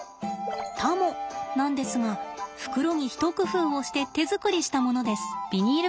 タモなんですが袋に一工夫をして手作りしたものです。